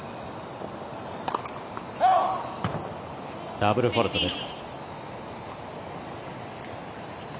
ダブルフォールトです。